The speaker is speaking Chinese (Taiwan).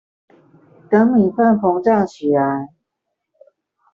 等米飯膨脹起來